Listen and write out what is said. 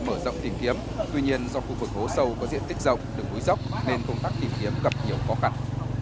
mở rộng tìm kiếm tuy nhiên do khu vực hố sâu có diện tích rộng đường núi dốc nên công tác tìm kiếm gặp nhiều khó khăn